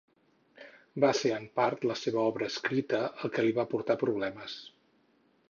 Va ser, en part, la seva obra escrita el que li va portar problemes.